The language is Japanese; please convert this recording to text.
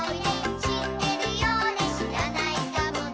知ってるようで知らないかもね」